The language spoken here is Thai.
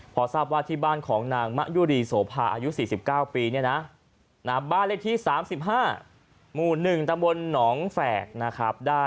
พอทราบว่าที่บ้านของนางมะยุรีโสภาอายุ๔๙ปีเนี่ยนะบ้านเลขที่๓๕หมู่๑ตำบลหนองแฝกนะครับ